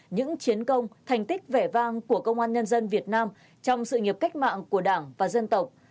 những chiến công thành tích vẻ vang của công an nhân dân việt nam trong sự nghiệp cách mạng của đảng và dân tộc